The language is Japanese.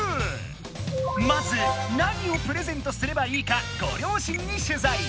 まず何をプレゼントすればいいかごりょうしんに取材！